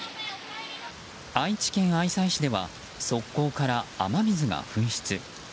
愛知県愛西市では側溝から雨水が噴出。